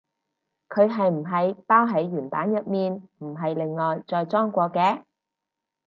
佢係唔係包喺原版入面，唔係另外再裝過嘅？